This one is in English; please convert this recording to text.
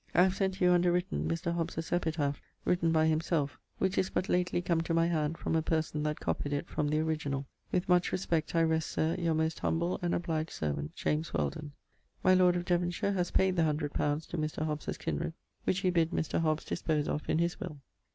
I have sent you underwritten Mr. Hobbes's epitaph written by himselfe, which is but lately come to my hand from a person that copyed it from the originall. With much respect, I rest, Sir, Your most humble and obliged servant, JAMES WHELDON. My lord of Devonshire has paid the hundred pounds to Mr. Hobbes's kinred, which he bid Mr. Hobbes dispose of in his will.